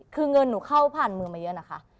คือเงินหนูเข้าผ่านมือมาเยอะนะคะ